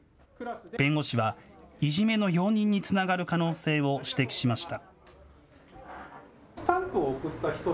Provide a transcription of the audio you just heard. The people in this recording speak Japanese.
弁護士は、いじめの容認につながる可能性を指摘しました。